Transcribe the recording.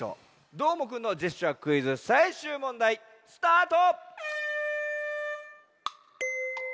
どーもくんのジェスチャークイズさいしゅうもんだいスタート！